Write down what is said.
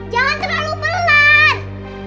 jangan terlalu pelan